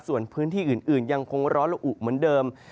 ส่วนพื้นที่อื่นยังคงร้อนละอุเหมือนเดิม